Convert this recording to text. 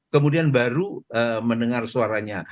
kemudian baru mendengar suaranya